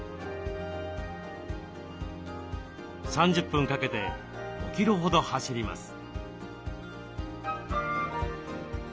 ３０分かけて５キロほど走ります。